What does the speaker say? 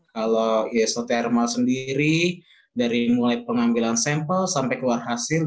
kalau isotermal sendiri dari mulai pengambilan sampel sampai keluar hasil